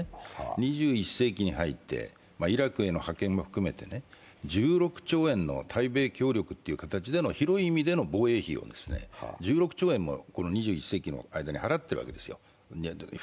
２１世紀に入ってイラクへの派遣も含めて１６兆円の対米費用ということで広い意味での防衛費を１６兆円も２１世紀の間に日本側が負担しているわけです。